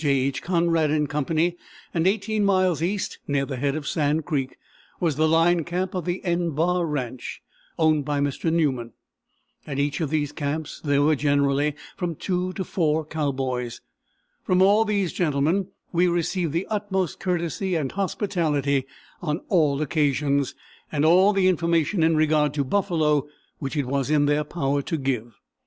J. H. Conrad & Co., and 18 miles east, near the head of Sand Creek, was the line camp of the =N= bar ranch, owned by Mr. Newman. At each of these camps there were generally from two to four cowboys. From all these gentlemen we received the utmost courtesy and hospitality on all occasions, and all the information in regard to buffalo which it was in their power to give.